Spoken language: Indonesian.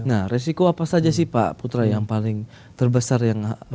nah resiko apa saja sih pak putra yang paling terbesar yang mungkin bisa dihadapi dalam kredit bank